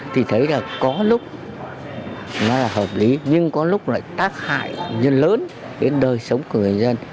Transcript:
thì thấy là có lúc nó hợp lý nhưng có lúc lại tác hại rất lớn đến đời sống của người dân